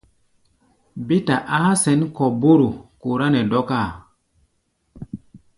Bé ta a̧á̧ sɛ̌n kɔ̧ bóró kɔrá nɛ dɔ́káa.